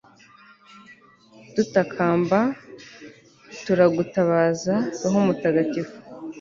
dutakamba, turagutabaza roho mutagatifu